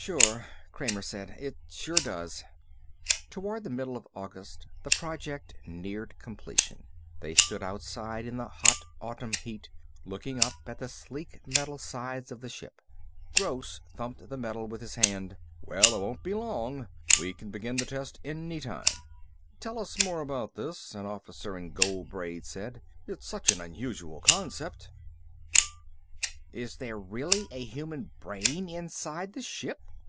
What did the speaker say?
"Sure," Kramer said. "It sure does." Toward the middle of August the project neared completion. They stood outside in the hot autumn heat, looking up at the sleek metal sides of the ship. Gross thumped the metal with his hand. "Well, it won't be long. We can begin the test any time." "Tell us more about this," an officer in gold braid said. "It's such an unusual concept." "Is there really a human brain inside the ship?"